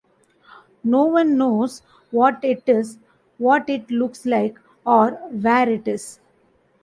No one knows what it is, what it looks like, or where it is.